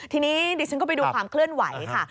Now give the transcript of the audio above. ทีนี้ดิฉันก็ไปดูความเคลื่อนไหวค่ะ